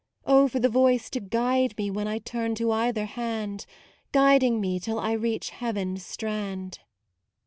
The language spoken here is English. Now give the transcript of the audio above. Oh for the Voice to guide me when I turn to either hand, Guiding me till I reach Heaven's strand.